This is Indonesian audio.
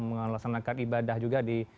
melaksanakan ibadah juga di